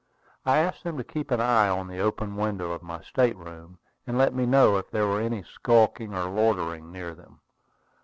I asked them to keep an eye on the open windows of my state room, and let me know if there were any skulking or loitering near them.